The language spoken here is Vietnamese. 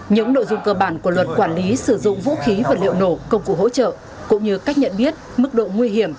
những nội dung cơ bản của luật quản lý sử dụng vũ khí vật liệu nổ công cụ hỗ trợ cũng như cách nhận biết mức độ nguy hiểm